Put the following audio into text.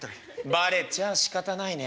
「ばれちゃあしかたないね」。